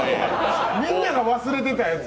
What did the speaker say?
みんなが忘れてたやつ。